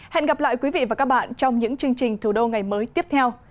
hẹn gặp lại quý vị và các bạn trong những chương trình thủ đô ngày mới tiếp theo